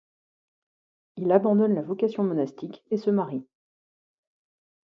Il abandonne la vocation monastique et se marie.